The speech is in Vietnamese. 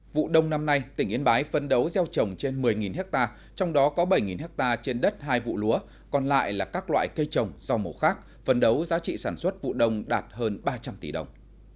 vụ đông năm nay tỉnh yên bái phân đấu gieo trồng trên một mươi hectare trong đó có bảy ha trên đất hai vụ lúa còn lại là các loại cây trồng do màu khác phân đấu giá trị sản xuất vụ đông đạt hơn ba trăm linh tỷ đồng